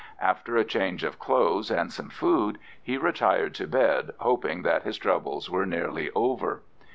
After a change of clothes and some food, he retired to bed, hoping that his troubles were nearly over.